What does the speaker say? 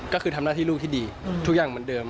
ก็คือทำหน้าที่ลูกที่ดีทุกอย่างเหมือนเดิม